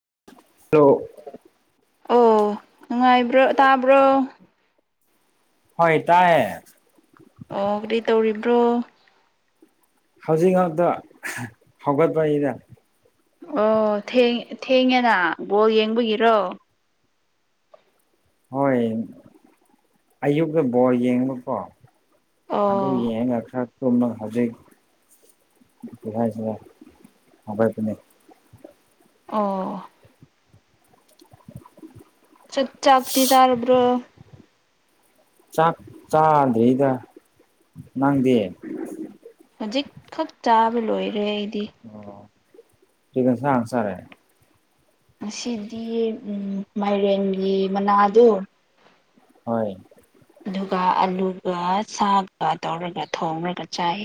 [unintelligible] ꯑꯣ ꯅꯨꯡꯉꯥꯏꯕ꯭ꯔꯣ ꯇꯥꯕ꯭ꯔꯣ ꯍꯣꯏ ꯇꯑꯦ ꯑꯣ ꯀꯔꯤ ꯇꯧꯔꯤꯕ꯭ꯔꯣ ꯍꯧꯖꯤꯛ ꯉꯥꯛꯇ ꯍꯧꯒꯠꯄꯒꯤꯅ ꯑꯣ ꯊꯦꯡꯉꯦꯅ ꯒꯣꯜ ꯌꯦꯡꯕꯒꯤꯔꯣ ꯍꯣꯏ ꯑꯌꯨꯛꯀ ꯕꯣꯜ ꯌꯦꯡꯕꯀꯣ ꯑꯗꯨ ꯑꯣ ꯌꯦꯉ ꯈꯔ ꯇꯨꯝꯅ ꯍꯧꯖꯤꯛ ꯀꯔꯤꯍꯥꯢꯁꯤꯒꯦ ꯍꯧꯒꯠꯄꯅꯦ ꯑꯣ ꯆꯛ ꯆꯥꯛꯇꯤ ꯆꯥꯔꯕ꯭ꯔꯣ ꯆꯥꯛ ꯆꯥꯗ꯭ꯔꯤꯗ ꯅꯪꯗꯤ ꯍꯧꯖꯤꯛꯈꯛ ꯆꯥꯕ ꯂꯣꯏꯔꯦ ꯑꯣ ꯀꯤ ꯢꯟꯁꯥꯡ ꯆꯥꯔꯦ ꯉꯁꯤꯗꯤ ꯎꯝ ꯃꯥꯏꯔꯦꯟꯒꯤ ꯃꯅꯥꯗꯣ ꯍꯣꯢ ꯑꯗꯨꯒ ꯑꯂꯨꯒ ꯁꯥꯒ ꯇꯧꯔꯒ ꯊꯣꯡꯉꯒ ꯆꯥꯏ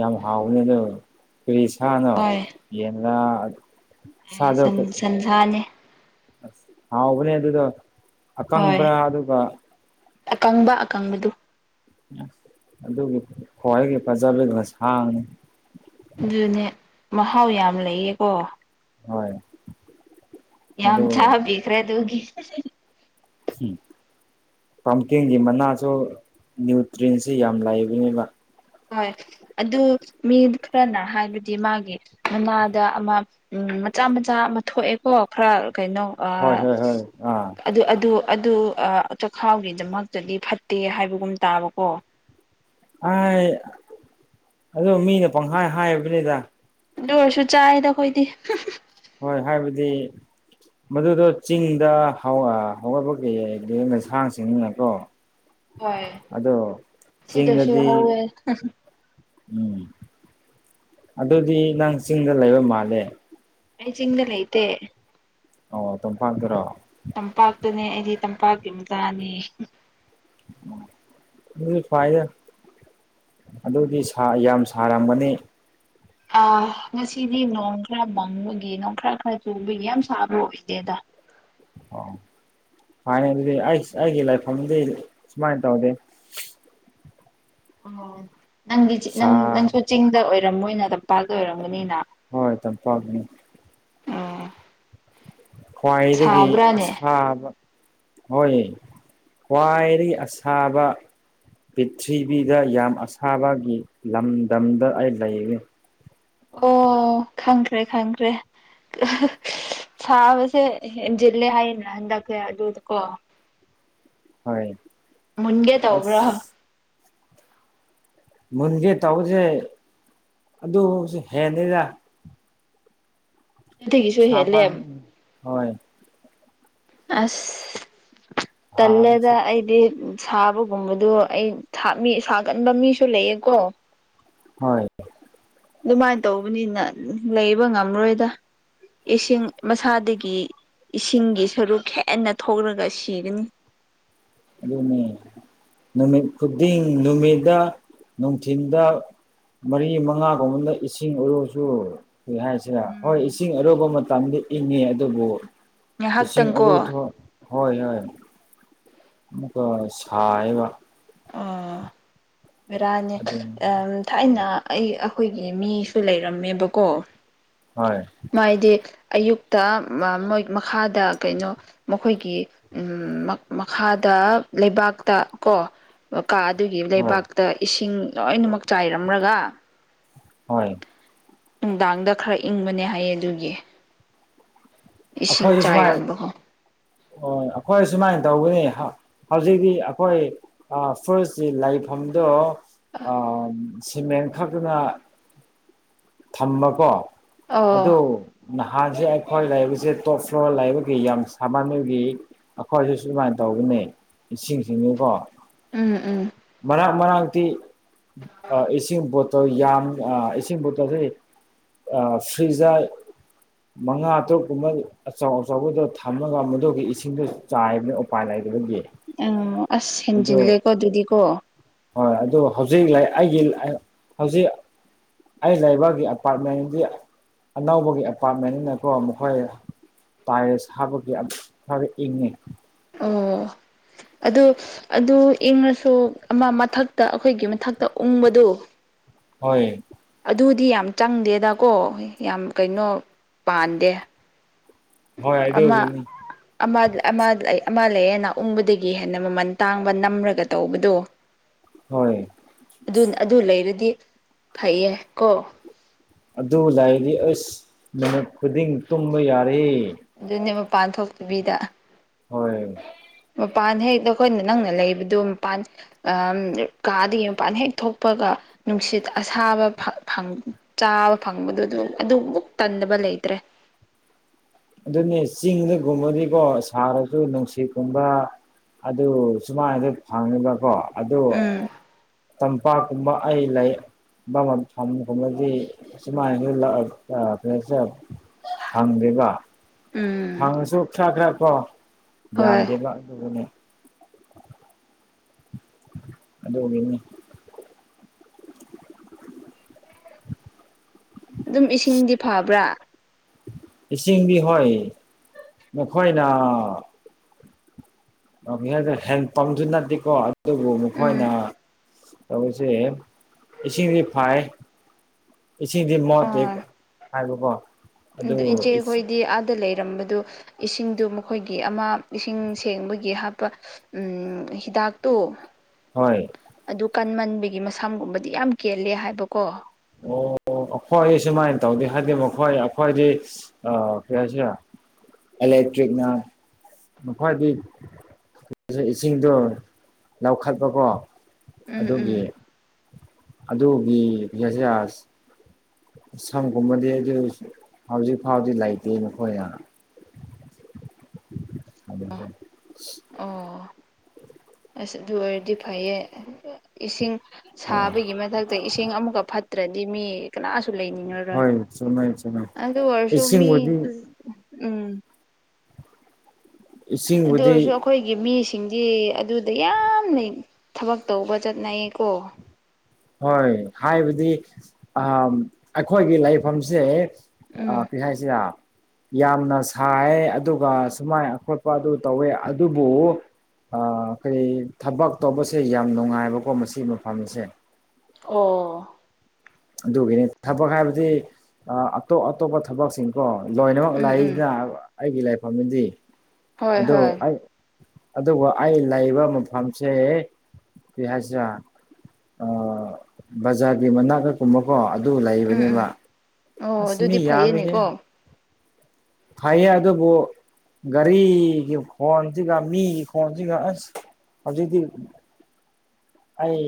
ꯌꯥꯝ ꯍꯥꯎꯅꯤ ꯑꯗꯨ ꯀꯔꯤꯁꯥꯅꯣ ꯍꯣꯏ ꯌꯦꯟꯂꯥ ꯁꯥꯗꯣ ꯁꯟ ꯁꯟꯁꯥꯅꯦ ꯍꯥꯎꯕꯅꯤ ꯑꯗꯨꯗꯣ ꯍꯣꯏ ꯑꯀꯪꯕ꯭ꯔꯥ ꯑꯗꯨꯒ ꯑꯀꯪꯕ ꯑꯀꯪꯕꯗꯨ ꯑꯗꯨꯒꯤ ꯈ꯭ꯋꯥꯏꯒꯤ ꯐꯖꯕꯤꯗ ꯉꯁꯥꯡꯅꯤ ꯑꯗꯨꯅꯦ ꯃꯍꯥꯎ ꯌꯥꯝ ꯂꯩꯌꯦꯀꯣ ꯍꯣꯏ ꯌꯥꯝ ꯑꯗꯨ ꯆꯥꯄꯤꯈ꯭ꯔꯦ ꯑꯗꯨꯒꯤ ꯎꯝ ꯄꯝꯀꯤꯟꯒꯤ ꯃꯅꯥꯁꯨ ꯅ꯭ꯌꯨꯇ꯭ꯔꯤꯟꯁꯤ ꯌꯥꯝ ꯂꯩꯕꯅꯤꯕ ꯍꯣꯏ ꯑꯗꯨ ꯃꯤ ꯈꯔꯅ ꯍꯥꯏꯕꯗꯤ ꯃꯥꯒꯤ ꯃꯅꯥꯗ ꯑꯃ ꯎꯝ ꯃꯆꯥ ꯃꯆꯥ ꯑꯃ ꯊꯣꯛꯑꯦꯀꯣ ꯈꯔ ꯀꯩꯅꯣ ꯑ ꯍꯣꯏ ꯍꯣꯏ ꯍꯣꯏ ꯑꯥ ꯑꯗꯨ ꯑꯗꯨ ꯑꯗꯨ ꯑ ꯆꯈꯥꯎꯒꯤꯗꯃꯛꯇꯗꯤ ꯐꯠꯇꯦ ꯍꯥꯏꯕꯒꯨꯝ ꯇꯥꯕꯀꯣ ꯑꯥꯏ ꯑꯗꯣ ꯃꯤꯅ ꯄꯪꯈꯥꯏ ꯍꯥꯏꯕꯅꯤꯗ ꯑꯗꯨ ꯑꯣꯏꯔꯁꯨ ꯆꯥꯏꯌꯦꯗ ꯑꯈꯣꯏꯗꯤ ꯍꯣꯏ ꯍꯥꯏꯕꯗꯤ ꯃꯗꯨꯗꯣ ꯆꯤꯡꯗ ꯍꯧ ꯍꯧꯋꯥꯕꯛ ꯂꯩꯌꯦ ꯅꯁꯥꯡꯁꯤꯡꯅꯤꯅꯀꯣ ꯍꯣꯏ ꯑꯗꯣ ꯁꯤꯗꯁꯨ ꯆꯤꯡꯗꯗꯤ ꯍꯧꯋꯦ ꯎꯝ ꯑꯗꯨꯗꯤ ꯅꯪ ꯆꯤꯡꯗ ꯂꯩꯕ ꯃꯥꯜꯂꯦ ꯑꯩ ꯆꯤꯡꯗ ꯂꯩꯥꯏꯇꯦ꯫ ꯑꯣ ꯇꯝꯄꯥꯛ ꯇꯔꯣ ꯇꯝꯄꯥꯛꯇꯨꯅꯦ ꯑꯩꯗꯤ ꯇꯝꯄꯥꯛꯀꯤ ꯃꯆꯥꯅꯤ ꯑꯗꯨꯁꯨ ꯐꯥꯏꯌꯦ ꯑꯗꯨꯗꯤ ꯁꯥ ꯌꯥꯝ ꯁꯥꯔꯝꯒꯅꯤ ꯑ ꯉꯁꯤꯗꯤ ꯅꯣꯡ ꯈꯔ ꯃꯪꯕꯒꯤ ꯅꯣꯡ ꯈꯔ ꯈꯔ ꯆꯨꯕꯒꯤ ꯌꯥꯝ ꯁꯥꯕ ꯑꯣꯏꯗꯦꯗ ꯑꯣ ꯐꯥꯏꯅꯦꯜꯂꯤ ꯑꯩꯁ ꯑꯩꯒꯤ ꯂꯩꯐꯝꯗꯤ ꯁꯨꯃꯥꯏꯅ ꯇꯧꯗꯦ ꯑꯣ ꯅꯪꯗꯤ ꯆꯤꯡ ꯁꯥ ꯅꯪ ꯅꯪꯁꯨ ꯆꯤꯡꯗ ꯑꯣꯏꯔꯝꯃꯣꯏꯅ ꯄꯥꯜꯗ ꯑꯣꯏꯔꯝꯒꯅꯤꯅ ꯍꯣꯏ ꯇꯝꯄꯥꯛꯅꯤ ꯑꯣ ꯈ꯭ꯋꯥꯏꯗꯒꯤ ꯁꯥꯕ꯭ꯔꯥꯅꯦ ꯑꯁꯥꯕ ꯍꯣꯏ ꯈ꯭ꯋꯥꯏꯗꯒꯤ ꯑꯁꯥꯕ ꯄꯤꯔꯊꯔꯤꯕꯤꯗ ꯌꯥꯝ ꯑꯁꯥꯕꯒꯤ ꯂꯝꯗꯝꯗ ꯑꯩ ꯂꯩꯔꯦ꯫ ꯑꯣ ꯈꯪꯈ꯭ꯔꯦ ꯈꯪꯈ꯭ꯔꯦ ꯁꯥꯕꯁꯦ ꯍꯦꯟꯖꯤꯜꯂꯦ ꯍꯥꯏꯌꯦꯅ ꯍꯟꯗꯛꯁꯦ ꯑꯗꯨꯗꯀꯣ ꯍꯣꯏ ꯃꯨꯟꯒꯦ ꯇꯧꯕ꯭ꯔꯥ ꯑꯁ ꯃꯨꯟꯒꯦ ꯇꯧꯕꯖꯦ ꯑꯗꯨꯕꯨꯛꯁꯨ ꯍꯦꯜꯂꯤꯗ ꯑꯗꯨꯒꯤꯁꯨ ꯍꯦꯜꯂꯦꯝ ꯍꯣꯏ ꯑꯁ ꯇꯜꯂꯦꯗ ꯁꯥꯕꯁꯦ ꯑꯩꯗꯤ ꯁꯥꯕꯒꯨꯝꯕꯗꯣ ꯑꯩ ꯃꯤ ꯁꯥꯒꯟꯕ ꯃꯤꯁꯨ ꯂꯩꯌꯦꯀꯣ ꯍꯣꯏ ꯑꯗꯨꯃꯥꯏ ꯇꯧꯕꯅꯤꯅ ꯂꯩꯕ ꯉꯝꯃꯔꯣꯏꯗ ꯏꯁꯤꯡ ꯃꯁꯥꯗꯒꯤ ꯏꯁꯤꯡꯒꯤ ꯁꯔꯨꯛ ꯍꯦꯟꯅ ꯊꯣꯛꯂꯒ ꯁꯤꯒꯅꯤ ꯑꯗꯨꯅꯦ ꯅꯨꯃꯤꯠ ꯈꯨꯗꯤꯡ ꯅꯨꯃꯤꯗꯥ ꯅꯨꯡꯊꯤꯟꯗ ꯃꯔꯤ ꯃꯉꯥꯒꯨꯝꯕꯗ ꯏꯁꯤꯡ ꯎꯔꯨꯁꯨ ꯀꯔꯤ ꯍꯥꯏꯁꯤꯔ ꯍꯣꯏ ꯎꯝ ꯏꯁꯤꯡ ꯑꯔꯨꯕ ꯃꯇꯝꯗꯤ ꯏꯪꯉꯤ ꯑꯗꯨꯕꯨ ꯏꯁꯤꯡ ꯉꯥꯏꯍꯥꯛꯇꯪꯀꯣ ꯑꯔꯨꯊꯣ ꯍꯣꯏ ꯍꯣꯏ ꯑꯃꯨꯛꯀꯥ ꯁꯥꯏꯌꯦꯕ ꯑꯥ ꯚꯦꯔꯥꯅꯦ ꯑꯗꯨꯝ ꯊꯥꯏꯅ ꯑꯩ ꯑꯩꯈꯣꯏꯒꯤ ꯃꯤꯁꯨ ꯂꯩꯔꯝꯃꯦꯕꯀꯣ ꯍꯣꯏ ꯃꯥꯏꯗꯤ ꯑꯌꯨꯛꯇ ꯃꯣꯏ ꯃꯈꯥꯗ ꯀꯩꯅꯣ ꯃꯈꯣꯏꯒꯤ ꯃꯈꯥꯗ ꯗꯥ ꯂꯩꯕꯥꯛꯇ ꯀꯣ ꯀꯥ ꯑꯗꯨꯒꯤ ꯍꯣꯏ ꯂꯩꯕꯥꯛꯇ ꯏꯁꯤꯡ ꯂꯣꯏꯅꯃꯛ ꯆꯥꯏꯔꯝꯂꯒ ꯍꯣꯏ ꯅꯨꯡꯗꯥꯡꯗ ꯈꯔ ꯏꯪꯕꯅꯦ ꯍꯥꯏꯌꯦ ꯑꯗꯨꯒꯤ ꯏꯁꯤꯡ ꯑꯩꯈꯣꯏꯁꯨ ꯁꯨꯃꯥꯏ ꯆꯥꯏꯔꯝꯕ ꯍꯣ ꯍꯣꯏ ꯑꯩꯈꯣꯏ ꯑꯁꯨꯃꯥꯏꯅ ꯇꯧꯒꯅꯤ ꯍꯥ ꯍꯧꯖꯤꯛꯇꯤ ꯑꯩꯈꯣꯏ ꯐꯨꯔꯤꯁꯤ ꯂꯥꯏꯐꯝꯗꯣ ꯑ ꯁꯤꯃꯦꯟ ꯈꯛꯇꯅ ꯊꯝꯕꯀꯣ ꯑꯣ ꯑꯗꯨ ꯅꯍꯥꯟꯁꯦ ꯑꯩꯈꯣꯏ ꯂꯩꯕꯁꯦ ꯇꯣꯞ ꯏꯁꯣ ꯂꯥꯏꯕꯛꯒꯤ ꯌꯥꯝ ꯁꯥꯃꯅꯕꯒꯤ ꯑꯩꯈꯣꯏꯁꯨ ꯁꯨꯃꯥꯏꯅ ꯇꯧꯕꯅꯤ ꯏꯁꯤꯡꯁꯤꯅꯤꯀꯣ ꯎꯝ ꯎꯝ ꯃꯔꯥꯡ ꯃꯔꯥꯡꯤ ꯏꯁꯤꯡꯣ ꯑꯣ ꯌꯥꯝ ꯏꯁꯤꯡ ꯄꯣꯠꯇꯁꯤ ꯐ꯭ꯔꯤꯖꯔ ꯃꯉꯥ ꯇꯔꯨꯛ ꯀꯨꯝꯕ ꯑꯆꯧ ꯑꯆꯧꯕꯗ ꯊꯝꯃꯒ ꯃꯗꯨꯒꯤ ꯏꯁꯤꯡꯗꯣ ꯆꯥꯏꯕꯅ ꯎꯄꯥꯏ ꯂꯩ ꯎꯝ ꯑꯁ ꯍꯦꯟꯖꯤꯜꯂꯦꯀꯣ ꯑꯗꯨꯗꯤꯀꯣ ꯍꯣꯏ ꯑꯗꯨ ꯍꯧꯖꯤꯛ ꯂ ꯑꯩꯒꯤ ꯍꯧꯖꯤꯛ ꯑꯩ ꯂꯩꯕꯒꯤ ꯑꯦꯄꯥꯔꯠꯃꯦꯟꯗꯤ ꯑꯅꯧꯕꯒꯤ ꯑꯦꯄꯥꯔꯠꯃꯦꯟꯅꯤꯅꯀꯣ ꯃꯈꯣꯏ ꯇꯥꯏꯁ ꯍꯥꯕꯒꯤꯛ ꯈꯔ ꯏꯪꯉꯤ ꯑꯣ ꯑꯗꯨ ꯑꯗꯨ ꯏꯪꯉꯁꯨ ꯑꯃ ꯃꯊꯛꯇ ꯑꯩꯈꯣꯏꯒꯤ ꯃꯊꯛꯇ ꯎꯪꯕꯗꯣ ꯍꯣꯏ ꯑꯗꯨꯗꯤ ꯌꯥꯝ ꯆꯪꯗꯦꯗꯀꯣ ꯌꯥꯝ ꯀꯩꯅꯣ ꯄꯥꯟꯗꯦ ꯍꯣꯏ ꯑꯃ ꯑꯗꯨꯒꯤꯅꯤ ꯑꯃꯥ ꯑꯃꯥ ꯂꯩ ꯑꯃ ꯂꯩꯌꯦꯅꯎꯪꯕꯗꯒꯤ ꯍꯦꯟꯅ ꯃꯃꯟ ꯇꯥꯡꯕ ꯅꯝꯔꯒ ꯇꯧꯕꯗꯣ ꯍꯣꯏ ꯑꯗꯨ ꯑꯗꯨ ꯂꯩꯔꯗꯤ ꯐꯩꯌꯦ ꯀꯣ ꯑꯗꯨ ꯂꯥꯛꯏꯗꯤ ꯑꯁ ꯃꯤꯅꯠ ꯈꯨꯗꯤꯡ ꯇꯨꯝꯕ ꯌꯥꯔꯦ ꯑꯗꯨꯅꯦ ꯃꯄꯥꯟ ꯊꯣꯛꯇꯕꯤꯗ ꯍꯣꯏ ꯃꯄꯥꯟ ꯍꯦꯛꯛꯇ ꯑꯩꯈꯣꯏꯅ ꯅꯪꯅ ꯂꯩꯕꯗꯨꯣ ꯃꯄꯥꯟ ꯀꯥꯗꯒꯤ ꯃꯄꯥꯟ ꯍꯦꯛ ꯊꯣꯛꯄꯒ ꯅꯨꯡꯁꯤꯠ ꯑꯁꯥꯕ ꯆꯥꯕ ꯐꯪꯕꯗꯨ ꯇꯟꯗꯕ ꯂꯩꯇ [inaudible] ꯑꯗꯨꯅꯦ ꯆꯤꯡꯗꯒꯨꯝꯕꯗꯤꯀꯣ ꯁꯥꯔꯁꯨ ꯅꯨꯡꯁꯤꯠꯀꯨꯝꯕ ꯑꯗꯨ ꯁꯨꯃꯥꯏꯅꯗ ꯐꯪꯉꯤꯕꯀꯣ ꯑꯗꯨ ꯎꯝ ꯇꯝꯄꯥꯛꯀꯨꯝꯕ ꯑꯩ ꯂꯩ ꯊ ꯈꯣꯠꯂꯗꯤ ꯁꯨꯃꯥꯏꯅ ꯐꯪꯗꯦꯕ ꯎꯝ ꯐꯪꯉꯁꯨ ꯈꯔ ꯈꯔ ꯀꯣ ꯍꯣꯏ ꯌꯥꯝꯗꯦꯕ ꯑꯗꯨꯕꯨꯅꯦ ꯑꯗꯨꯅꯤ ꯑꯗꯨꯝ ꯏꯁꯤꯡꯗꯤ ꯐꯕ꯭ꯔꯥ ꯏꯁꯤꯡꯗꯤ ꯍꯣꯏ ꯅꯣꯏꯅ ꯍꯦꯟꯄꯝꯁꯨ ꯅꯠꯇꯦꯀꯣ ꯑꯗꯨꯕꯨ ꯎꯝ ꯃꯈꯣꯏꯅ ꯁꯦ ꯏꯁꯤꯡꯗꯤ ꯐꯥꯏ ꯏꯁꯤꯡꯗꯤ ꯃꯣꯠꯇꯦ ꯑꯥ ꯍꯥꯏꯕ ꯀꯣ ꯑꯗꯨ ꯏꯆꯦꯈꯣꯏꯗꯤ ꯑꯥꯗ ꯂꯩꯔꯦ ꯂꯩꯔꯝꯕꯗꯨ ꯏꯁꯤꯡꯗꯨ ꯃꯈꯣꯏꯒꯤ ꯑꯃ ꯏꯁꯤꯡ ꯁꯦꯡꯕꯒꯤ ꯍꯥꯞꯄꯤ ꯆ ꯆꯥꯛꯇꯣ ꯍꯣꯏ ꯑꯗꯨ ꯀꯟꯃꯟꯕꯒꯤ ꯃꯁꯝꯒꯨꯝꯕꯗꯤ ꯌꯥꯝ ꯀꯦꯜꯂꯦ ꯍꯥꯏꯕꯀꯣ ꯑꯣ ꯑꯩꯈꯣꯏ ꯁꯨꯃꯥꯏꯅ ꯇꯧꯗ ꯍꯥꯏꯗꯤ ꯃꯈꯣꯏ ꯑꯩꯈꯣꯏꯗꯤ ꯀꯔꯤ ꯍꯥꯏꯁꯤꯔꯦ ꯏꯂꯦꯛꯇ꯭ꯔꯤꯛꯅ ꯃꯈꯣꯏꯒꯤ ꯏꯁꯤꯡꯗꯣ ꯂꯧꯈꯠꯄꯀꯣ ꯎꯝ ꯎꯝ ꯑꯗꯨꯒꯤ ꯑꯗꯨꯒꯤꯁꯁ ꯁꯝꯒꯨꯝꯕꯗꯤ ꯑꯗꯨ ꯍꯧꯖꯤꯛ ꯐꯥꯎꯗꯤ ꯂꯩꯇꯦ ꯅꯈꯣꯏꯅ ꯑꯗꯁ ꯑꯣ ꯑꯁ ꯑꯗꯨ ꯑꯣꯏꯔꯗꯤ ꯐꯩꯌꯦ ꯏꯁꯤꯡ ꯑꯥ ꯁꯥꯕꯒꯤ ꯃꯊꯛꯇ ꯏꯁꯤꯡ ꯑꯃꯨꯛꯀ ꯐꯠꯇ꯭ꯔꯗꯤ ꯃꯤ ꯀꯅꯥꯁꯨ ꯂꯩꯅꯤꯡꯉꯔꯣꯏ ꯍꯣꯏ ꯆꯨꯝꯃꯦ ꯆꯨꯝꯃꯦ ꯑꯗꯨ ꯑꯣꯏꯔꯁꯨ ꯃꯤ ꯏꯁꯤꯡꯕꯨꯗꯤ ꯎꯝ ꯑꯗꯨ ꯏꯁꯤꯡꯕꯨꯗꯤ ꯑꯣꯏꯔꯁꯨ ꯑꯩꯈꯣꯏꯒꯤ ꯃꯤꯁꯤꯡ ꯁꯤꯡꯗꯤ ꯑꯗꯨꯗ ꯌꯥꯝꯅ ꯊꯕꯛ ꯇꯧꯕ ꯆꯠꯅꯩꯌꯦꯀꯣ ꯍꯣꯏ ꯍꯥꯏꯕꯗꯤ ꯑ ꯑꯩꯈꯣꯏꯒꯤ ꯂꯩꯐꯝꯁꯦ ꯑ ꯎꯝ ꯄꯤ ꯍꯥꯏꯁꯤ ꯌꯥ ꯌꯥꯝꯅ ꯁꯥꯏ ꯑꯗꯨꯒ ꯁꯨꯃꯥꯏꯅ ꯑꯈꯣꯠꯄ ꯑꯗꯨ ꯇꯧꯋꯦ ꯑꯗꯨꯕꯨ ꯑꯩꯈꯔꯤ ꯊꯕꯛ ꯇꯧꯕꯁꯦ ꯌꯥꯝ ꯅꯨꯡꯉꯥꯏꯕꯀꯣ ꯃꯁꯤꯒꯤ ꯃꯐꯝꯁꯦ ꯑꯣ ꯑꯗꯨꯒꯤꯅꯤ ꯊꯕꯛ ꯍꯥꯏꯕꯗꯤ ꯑꯇꯣꯞ ꯑꯇꯣꯞꯄ ꯊꯕꯛꯁꯤꯡ ꯀꯣ ꯂꯣꯏꯅꯃꯛ ꯎꯝ ꯎꯝ ꯂꯥꯛꯏꯁꯤꯅ ꯑꯩꯒꯤ ꯂꯥꯏꯐꯝꯗꯤ ꯍꯣꯏ ꯑꯗꯨ ꯍꯣꯏ ꯑꯩ ꯑꯗꯨꯒ ꯑꯩ ꯂꯩꯕ ꯃꯐꯝꯁꯦ ꯀꯩ ꯍꯥꯏꯁꯤꯔ ꯑ ꯕꯖꯥꯔꯒꯤ ꯃꯅꯥꯀꯛꯀꯨꯝꯕꯀꯣ ꯑꯗꯨ ꯎꯝ ꯎꯝ ꯂꯩꯕꯅꯦꯕ ꯑꯣ ꯑꯁ ꯑꯗꯨꯗꯤ ꯐꯩꯌꯦꯅꯦꯀꯣ ꯐꯌꯦ ꯑꯗꯣꯕꯨꯣ ꯒꯥꯔꯤꯒꯤ ꯈꯣꯟꯁꯤꯒ ꯃꯤꯒꯤ ꯈꯣꯟꯁꯤꯒ ꯑꯁ ꯍꯧꯖꯤꯛꯇꯤ ꯑꯩ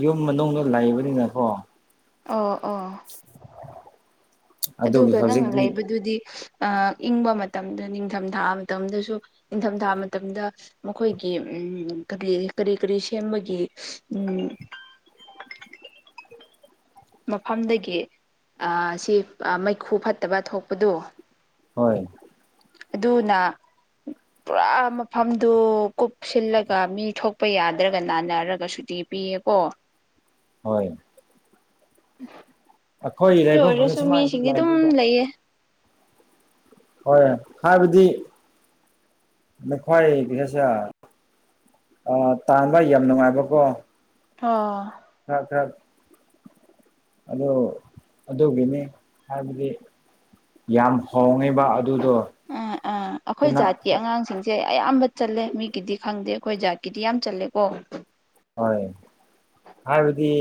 ꯌꯨꯝ ꯃꯅꯨꯡꯗ ꯂꯩꯕꯅꯤꯅꯀꯣ ꯑꯣ ꯑꯣ ꯑꯗꯨꯒꯤ ꯑꯗꯨꯒ ꯅꯪꯅ ꯍꯧꯖꯤꯛꯇꯤ ꯂꯩꯕꯗꯨꯗꯤ ꯏꯪꯕ ꯃꯇꯝꯗ ꯅꯤꯡꯊꯝꯊꯥ ꯃꯇꯝꯗꯁꯨ ꯅꯤꯡꯊꯝꯊꯥ ꯃꯇꯝꯗ ꯃꯈꯣꯏꯒꯤ ꯎꯝ ꯀꯔꯤ ꯀꯔꯤ ꯀꯔꯤ ꯁꯦꯝꯕꯒꯤ ꯎꯝ [unintelligible] ꯃꯐꯝꯗꯒꯤ ꯁꯤ ꯃꯩꯈꯨ ꯐꯠꯇꯕ ꯊꯣꯛꯄꯗꯣ ꯍꯣꯏ ꯑꯗꯨꯅ ꯄꯨꯔꯥ ꯃꯐꯝꯗꯨ ꯀꯨꯞꯁꯤꯜꯂꯒ ꯃꯤ ꯊꯣꯛꯄ ꯌꯥꯗ꯭ꯔꯒ ꯅꯥꯟꯅꯔꯒ ꯁꯨꯗꯤꯤ ꯄꯤꯌꯦꯀꯣ ꯍꯣꯏ ꯑꯩꯈꯣꯏ ꯂꯩꯐꯝꯗ ꯑꯣꯏꯣꯏꯔꯁꯨ ꯁꯨꯃꯥꯏꯅꯁꯨ ꯃꯤꯁꯤꯡꯗꯤ ꯑꯗꯨꯝ ꯂꯩꯕꯅꯤꯗ ꯂꯩꯌꯦ ꯍꯣꯏ ꯍꯥꯏꯕꯗꯤ ꯅꯈꯣꯏ ꯀꯩꯅꯁꯦ ꯑ ꯇꯥꯡꯥꯟꯕ ꯑꯩ ꯌꯥꯝ ꯅꯨꯡꯉꯥꯏꯕꯀꯣ ꯑꯥ ꯈꯔ ꯈꯔ ꯑꯗꯨ ꯑꯗꯨꯒꯤꯅꯤ ꯍꯥꯏꯕꯗꯤ ꯌꯥꯝ ꯍꯣꯡꯉꯤꯕ ꯑꯗꯨꯗꯣ ꯑꯥ ꯑꯥ ꯑꯩꯈꯣꯏ ꯀꯅꯥ ꯖꯥꯠꯀꯤ ꯑꯉꯥꯡꯁꯤꯡꯁꯦ ꯏꯦ ꯑꯌꯥꯝꯕ ꯆꯠꯂꯦ ꯃꯤꯒꯤꯗꯤ ꯈꯪꯗꯦ ꯑꯩꯈꯣꯏ ꯖꯥꯠꯀꯤꯗꯤ ꯌꯥꯝ ꯆꯜꯂꯦꯀꯣ ꯍꯣꯏ ꯍꯥꯏꯕꯗꯤ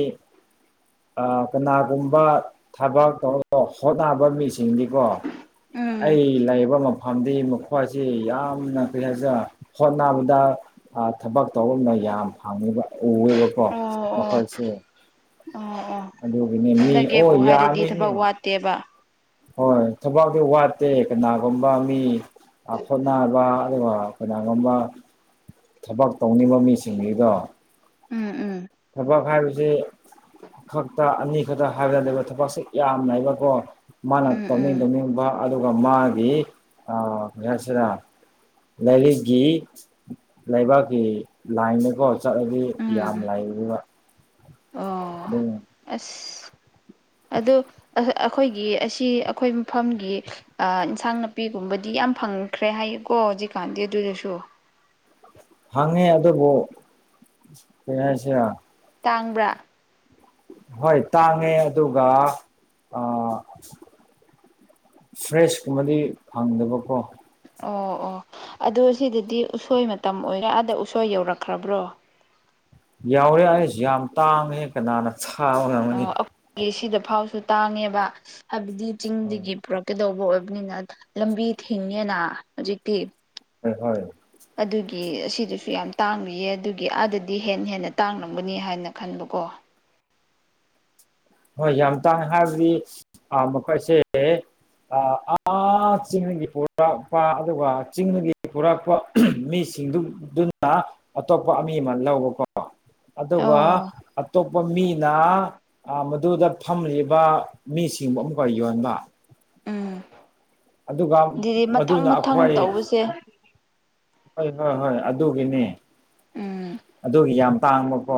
ꯀꯅꯥꯒꯨꯝꯕ ꯊꯕꯛ ꯇꯧꯔ ꯍꯣꯠꯅꯕ ꯃꯤꯁ ꯆꯤꯡꯗꯤꯀꯣ ꯎꯝ ꯑꯩ ꯂꯩꯕ ꯃꯝꯗꯤ ꯃꯈꯣꯏꯁꯤ ꯌꯥꯝꯅ ꯀꯔꯤ ꯍꯥꯏꯁꯦ ꯍꯣꯠꯅꯕꯗ ꯊꯕꯛ ꯇꯧꯕꯔꯅ ꯌꯥꯝ ꯍꯪꯉꯤꯕ ꯎꯋꯦꯕꯀꯣ ꯑꯣ ꯑꯣ ꯃꯈꯣꯏꯁꯦ ꯑꯣ ꯑꯣ ꯑꯗꯨꯒꯤꯅꯦ ꯃꯤ ꯑꯣ ꯍꯟꯗꯛꯒꯦꯕꯨ ꯍꯥꯏꯔꯗꯤ ꯌꯥꯃꯤꯅꯤ ꯊꯕꯛ ꯋꯥꯠꯇꯦꯕ ꯍꯣꯏ ꯊꯕꯥꯛꯇꯤ ꯋꯥꯠꯇꯦ ꯀꯅꯥꯒꯨꯝꯕ ꯃꯤ ꯍꯣꯠꯅꯕ ꯑꯗꯨꯒ ꯑꯩꯈꯣꯏꯅꯥꯒꯨꯝꯕ ꯊꯕꯛ ꯇꯧꯅꯤꯡꯕ ꯃꯤꯁꯤꯡꯁꯤꯗꯣ ꯎꯝ ꯎꯝ ꯊꯕ ꯈꯥꯏꯔꯁꯦ ꯈꯛꯇ ꯑꯅꯤ ꯈꯛꯇ ꯍꯥꯏꯕꯗ ꯂꯩꯕ ꯊꯕꯛꯁꯦ ꯌꯥꯝꯅꯏꯕꯀꯣ ꯃꯥꯅ ꯎꯝ ꯎꯝ ꯇꯧꯅꯤꯡ ꯇꯧꯅꯤꯡꯕ ꯑꯗꯨꯒ ꯃꯥꯒꯤ ꯀꯩ ꯍꯥꯏꯁꯤꯔ ꯂꯥꯏꯔꯤꯛꯀꯤ ꯂꯩꯕꯥꯛꯀꯤ ꯂꯥꯏꯟꯗꯀꯣ ꯆꯠꯂꯗꯤ ꯌꯥꯝ ꯎꯝ ꯂꯥꯏ ꯏ ꯑꯣ ꯑꯁ [unintelligible] ꯑ ꯑꯩꯈꯣꯏꯒꯤ ꯑꯁꯤ ꯑꯩꯈꯣꯏ ꯃꯐꯝꯒꯤ ꯏꯟꯁꯥꯡ ꯅꯥꯄꯤꯒꯨꯝꯕꯗꯤ ꯌꯥꯝ ꯐꯪꯈ꯭ꯔꯦ ꯍꯥꯏꯌꯨꯀꯣ ꯍꯧꯖꯤꯛꯀꯥꯟꯗꯤ ꯑꯗꯨꯗꯨꯁꯨ ꯍꯪꯉꯦ ꯑꯗꯨꯕꯨ ꯀꯩ ꯍꯥꯏꯁꯤꯔ ꯇꯥꯡꯕ꯭ꯔꯥ ꯍꯣꯏ ꯇꯥꯡꯉꯦ ꯑꯗꯨꯒ ꯐ꯭ꯔꯦꯁ ꯀꯨꯝꯕꯗꯤ ꯐꯪꯗꯕꯀꯣ ꯑꯣ ꯑꯣ ꯑꯗꯨꯗ ꯁꯤꯗꯗꯤ ꯎꯁꯣꯏ ꯃꯇꯝ ꯑꯣꯏꯔ ꯑꯗ ꯎꯁꯣꯏ ꯌꯧꯔꯛꯈ꯭ꯔꯕ꯭ꯔꯣ ꯌꯥꯎꯔꯦ ꯑꯩꯁꯨ ꯌꯥꯝ ꯇꯥꯡꯉꯦ ꯀꯅꯥꯅ ꯊꯥꯕ ꯉꯝꯒꯅꯤ ꯑꯣ ꯑꯩꯈꯣꯏꯒꯤ ꯁꯤꯗ ꯐꯥꯎꯁꯨ ꯇꯥꯡꯉꯦꯕ ꯍꯥꯏꯕꯗꯤ ꯆꯤꯡꯗꯒꯤ ꯎꯝ ꯄꯨꯔꯛꯀꯗꯧꯕ ꯑꯣꯏꯕ ꯅꯤꯅ ꯂꯝꯕꯤ ꯊꯤꯡꯉꯦꯅ ꯍꯧꯖꯤꯛꯇꯤ ꯍꯣꯏ ꯑꯗꯨꯒꯤ ꯑꯁꯤꯗꯨꯁꯨ ꯌꯥꯝ ꯇꯥꯡꯕꯤꯌꯦ ꯑꯗꯨꯒꯤ ꯑꯥꯗꯗꯤ ꯍꯦꯟꯅ ꯍꯦꯟꯅ ꯇꯥꯡꯂꯝꯒꯅꯤ ꯍꯥꯏꯅ ꯈꯟꯕꯀꯣ ꯍꯣꯏ ꯌꯥꯝ ꯇꯥꯡꯅ ꯍꯥꯏꯕꯗꯤ ꯃꯈꯣꯏꯁꯦ ꯑꯥ ꯆꯤꯡꯒꯤ ꯄꯨꯔꯛꯄ ꯑꯗꯨꯒ ꯆꯤꯡꯒꯤ ꯄꯨꯔꯛꯄ ꯃꯤꯁꯤꯡ ꯁꯤꯡꯗꯨꯗꯨꯅ ꯑꯇꯣꯞꯄ ꯑꯃ ꯑꯃ ꯂꯧꯕꯀꯣ ꯑꯗꯨꯒ ꯑꯣ ꯑꯇꯣꯞꯄ ꯃꯤꯅ ꯃꯗꯨꯗ ꯐꯝꯂꯤꯕ ꯃꯤꯁꯤꯡꯕꯨ ꯑꯃꯨꯛꯀ ꯌꯣꯟꯕ ꯎꯝ ꯑꯗꯨꯒ ꯑꯗꯨꯗꯤ ꯃꯊꯪ ꯃꯗꯨꯅ ꯃꯊꯪ ꯑꯩꯈꯣꯏ ꯇꯧꯕꯁꯦ ꯍꯣꯏ ꯍꯣꯏ ꯍꯣꯏ ꯑꯗꯨꯒꯤꯅꯦ ꯎꯝ ꯑꯗꯨꯒꯤ ꯌꯥꯝ ꯇꯥꯡꯕꯀꯣ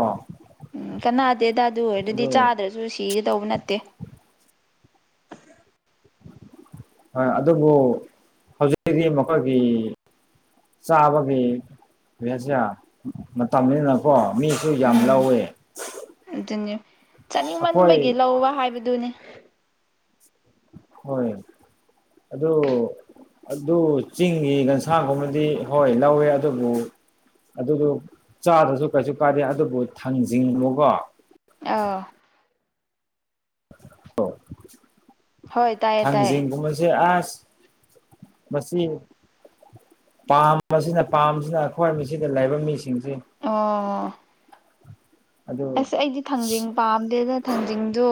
ꯎꯝ ꯀꯅꯥꯗꯦꯗ ꯑꯗꯨ ꯑꯣꯏꯔ ꯑꯗꯨꯗꯤ ꯑꯗꯨ ꯆꯥꯗ꯭ꯔꯁꯨ ꯁꯤꯒꯗꯧꯕ ꯅꯠꯇꯦ ꯍꯣꯏ ꯑꯗꯨꯕꯨ ꯍꯧꯖꯤꯛꯇꯀꯤꯗꯤ ꯃꯈꯣꯏꯒꯤ ꯆꯥꯕꯒꯤ ꯁꯌꯥ ꯃꯇꯝꯅꯤꯁꯤꯅꯀꯣ ꯃꯤꯁꯨ ꯌꯥꯝ ꯎꯝ ꯂꯧꯋꯦ ꯑꯗꯨꯅꯤ ꯑꯩꯈꯣꯏ ꯆꯥꯅꯤꯡꯃꯟꯕꯒꯤ ꯂꯧꯕ ꯍꯥꯏꯕꯗꯨꯅꯤ ꯍꯣꯏ ꯑꯗꯨꯣ ꯑꯗꯨ ꯆꯤꯡꯒꯤ ꯒꯟꯁꯥꯒꯨꯝꯕꯗꯤ ꯍꯣꯏ ꯂꯧꯋꯦ ꯑꯗꯨꯕꯨ ꯑꯗꯨꯗꯨ ꯆꯥꯗ꯭ꯔꯁꯨ ꯀꯩꯁꯨ ꯀꯥꯗꯦ ꯑꯗꯨꯕꯨ ꯊꯥꯡꯖꯤꯡꯕꯨꯀꯣ ꯑ ꯑꯣ ꯍꯣꯏ ꯇꯥꯏꯌꯦ ꯇꯥꯏꯌꯦ ꯊꯥꯡꯖꯤꯡꯕꯁꯦ ꯑ ꯃꯁꯤꯁ ꯄꯥꯝꯕꯁꯤꯅ ꯄꯥꯝꯕꯁꯤꯅ ꯑꯩꯈꯣꯏ ꯃꯤꯁꯤꯗ ꯂꯩꯕ ꯃꯤꯁꯤꯡꯁꯤ ꯑ ꯑꯗꯨ ꯑꯁ ꯑꯩꯗꯤ ꯊꯥꯡꯖꯤꯡ ꯄꯥꯝꯗꯦꯗ ꯊꯥꯡꯖꯤꯡꯗꯣ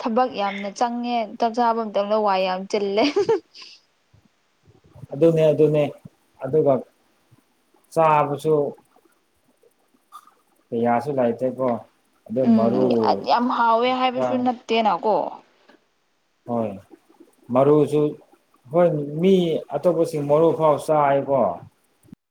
ꯊꯕꯛ ꯌꯥꯝꯅ ꯆꯪꯉꯦ ꯆꯞ ꯆꯥꯕ ꯃꯇꯝꯗ ꯋꯥꯏ ꯌꯥꯝ ꯆꯤꯜꯂꯦ ꯑꯗꯨꯅꯦ ꯑꯗꯨꯅꯦ ꯑꯗꯨꯒ ꯆꯥꯕꯁꯨ ꯄ ꯌꯥꯁꯨ ꯂꯥꯏꯇ ꯄꯣ ꯎꯝ ꯌꯥꯝ ꯍꯥꯎꯋꯦ ꯍꯥꯏꯕꯁꯨ ꯅꯠꯇꯦꯅꯀꯣ ꯍꯣꯏ ꯃꯔꯨꯁꯨ ꯍꯣꯏ ꯃꯤ ꯑꯇꯣꯞꯄꯁꯤꯡ ꯃꯔꯨ ꯐꯥꯎ ꯆꯥꯏꯀꯣ